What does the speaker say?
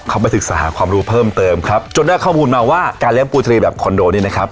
เขาไปศึกษาหาความรู้เพิ่มเติมครับจนได้ข้อมูลมาว่าการเลี้ยปูทะเลแบบคอนโดนี้นะครับ